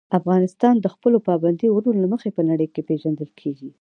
افغانستان د خپلو پابندي غرونو له مخې په نړۍ پېژندل کېږي.